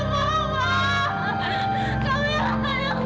kamu adalah anak fnd bukan anak saya